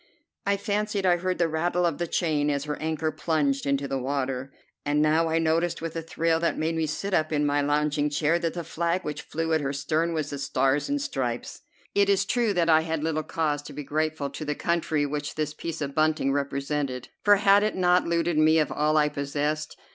I fancied I heard the rattle of the chain as her anchor plunged into the water, and now I noticed with a thrill that made me sit up in my lounging chair that the flag which flew at her stern was the Stars and Stripes. It is true that I had little cause to be grateful to the country which this piece of bunting represented, for had it not looted me of all I possessed?